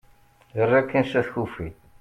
err akin s at kufi